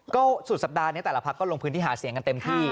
ก็สุดสัปดาห์นี้แต่ละพักก็ลงพื้นที่หาเสียงกันเต็มที่